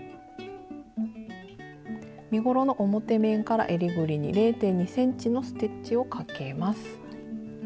身ごろの表面からえりぐりに０．２ｃｍのステッチをかけます。